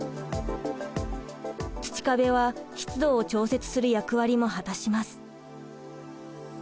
土壁は湿度を調節する役割も果たします。